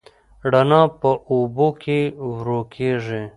رڼا په اوبو کې ورو کېږي.